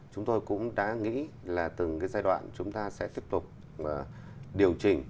chúng tôi cũng đã nghĩ là từng cái giai đoạn chúng ta sẽ tiếp tục điều chỉnh